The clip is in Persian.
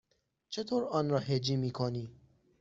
چطور آن را هجی می کنی؟